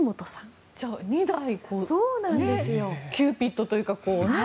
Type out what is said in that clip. じゃあ２代キューピッドというか。